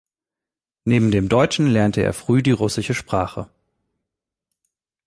Neben dem Deutschen lernte er früh die russische Sprache.